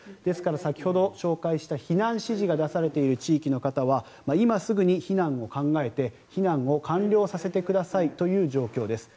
先ほど紹介した、避難指示が出されている地域の方は今すぐに避難を考えて避難を完了させてくださいという状況です。